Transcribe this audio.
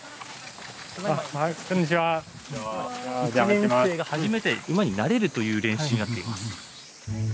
１年生が初めて馬に慣れるという練習になっています。